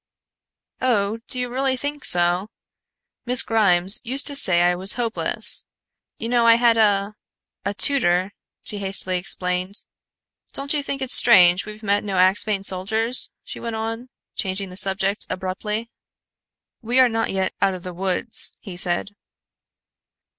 "Oh, do you really think so? Miss Grimes used to say I was hopeless. You know I had a a tutor," she hastily explained. "Don't you think it strange we've met no Axphain soldiers?" she went on, changing the subject abruptly. "We are not yet out of the woods," he said.